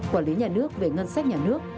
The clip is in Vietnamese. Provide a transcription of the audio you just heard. quản lý nhà nước về ngân sách nhà nước